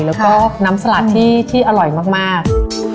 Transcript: แล้วก็น้ำสลัดที่อร่อยมาก